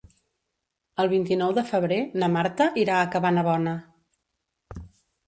El vint-i-nou de febrer na Marta irà a Cabanabona.